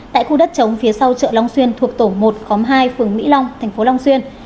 tại khu đất chống phía sau chợ long xuyên thuộc tổ một khóm hai phường mỹ long thành phố long xuyên